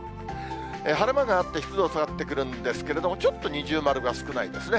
晴れ間があって、湿度は下がってくるんですけれども、ちょっと二重丸が少ないですね。